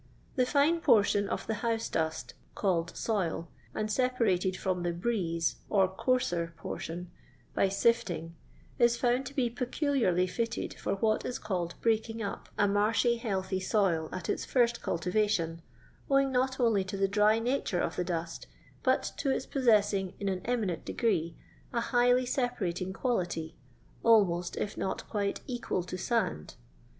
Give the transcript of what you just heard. The fine portion of the house dust called " soil,*' and sepa rated from the "brieze," or coarser portion, by sifting* is found to be peculiarly fitted for what is called breaking up a marshy heathy soil at its first cultivation, owing not only to the dry nature of the dust, but to its possessing in an eminent degree a highly separating quality, almost, if not quite, equal to sand.